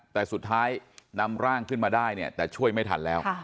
แต่สุดท้ายนำร่างขึ้นมาได้เนี่ยแต่ช่วยไม่ทันแล้ว